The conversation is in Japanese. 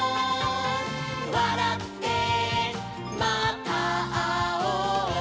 「わらってまたあおう」